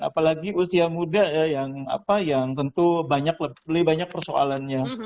apalagi usia muda yang tentu banyak persoalannya